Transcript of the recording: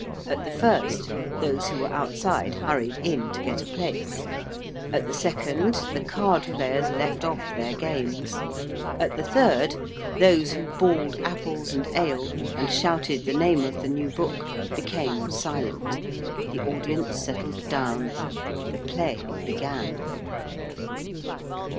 At the first, those who were outside hurried in to get a place: at the second, the card players left off their games: at the third, those who bawled apples and ale and shouted the name of the new book became silent: the audience settled down: the Play began.